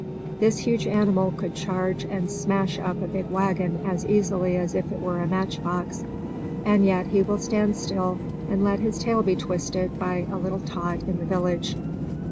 This huge animal could charge and smash up a big wagon as easily as if it were a match box; and yet he will stand still and let his tail be twisted by any little tot in the village.